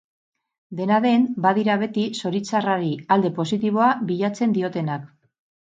Dena den, badira beti zoritxarrari alde positiboa bilatzen diotenak.